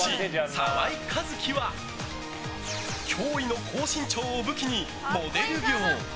澤井一希は驚異の高身長を武器にモデル業